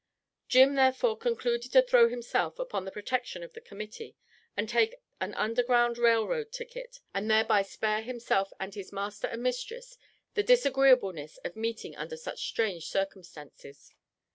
Jim, therefore, concluded to throw himself upon the protection of the Committee and take an Underground Rail Road ticket, and thereby spare himself and his master and mistress the disagreeableness of meeting under such strange circumstances.